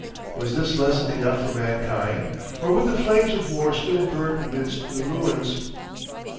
Was this lesson enough for mankind, or would the flames of war still burn amidst the ruins?